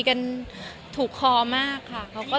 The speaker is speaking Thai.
คุณแม่มะม่ากับมะมี่